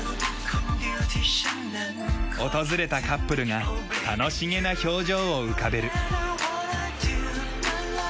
訪れたカップルが楽しげな表情を浮かべる。